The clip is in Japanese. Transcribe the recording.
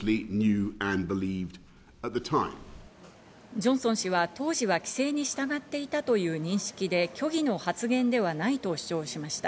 ジョンソン氏は当時は規制に従っていたという認識で、虚偽の発言ではないと主張しました。